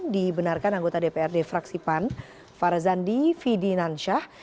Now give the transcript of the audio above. dibenarkan anggota dprd fraksipan farazandi fidinansyah